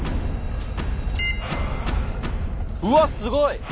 うわすごい！